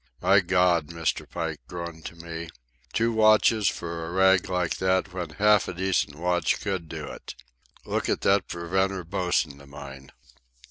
"My God!" Mr. Pike groaned to me. "Two watches for a rag like that when half a decent watch could do it! Look at that preventer bosun of mine!"